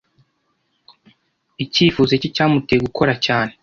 Icyifuzo cye cyamuteye gukora cyane.